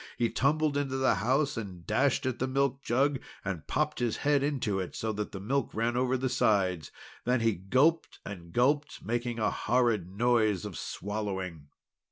He tumbled into the house, and dashed at the milk jug, and popped his head into it so that the milk ran over the sides. Then he gulped and gulped, making a horrid noise of swallowing.